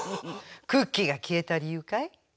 クッキーが消えた理由かい？